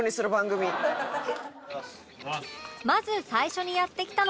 まず最初にやって来たのが